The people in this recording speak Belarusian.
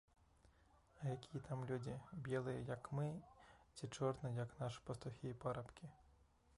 А якія там людзі, белыя, як мы, ці чорныя, як нашы пастухі і парабкі?